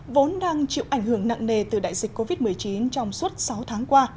vốn đang chịu ảnh hưởng nặng nề từ đại dịch covid một mươi chín trong suốt sáu tháng qua